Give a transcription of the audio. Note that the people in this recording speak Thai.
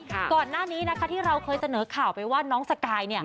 ก่อนหน้านี้นะคะที่เราเคยเสนอข่าวไปว่าน้องสกาย